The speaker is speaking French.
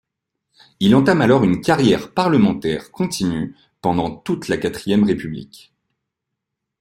Il entame alors une carrière parlementaire continue pendant toute la Quatrième République.